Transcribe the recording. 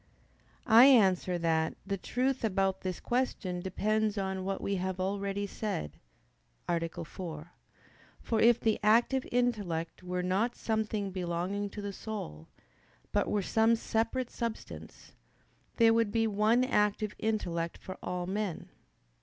I answer that, The truth about this question depends on what we have already said (A. 4). For if the active intellect were not something belonging to the soul, but were some separate substance, there would be one active intellect for all men.